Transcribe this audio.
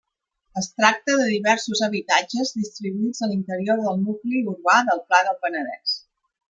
Es tracta de diversos habitatges distribuïts a l'interior del nucli urbà del Pla del Penedès.